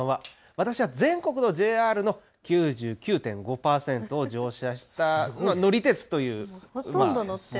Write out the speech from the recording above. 私は全国のＪＲの９９．５％を乗車した乗り鉄です。